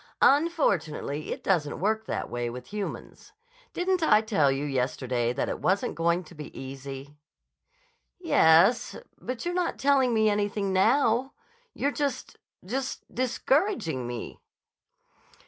"Unfortunately it doesn't work that way with humans. Didn't I tell you yesterday that it wasn't going to be easy?" "Yes. But you're not telling me anything now. You're just—just discouraging me."